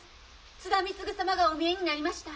津田貢様がお見えになりました。